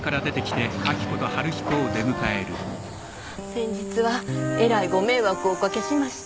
先日はえらいご迷惑をお掛けしました。